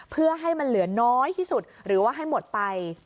เพื่อให้มันเหลือน้อยที่สุดหรือว่าให้หมดไป